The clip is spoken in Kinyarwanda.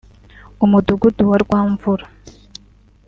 Umudugudu wa Rwamvura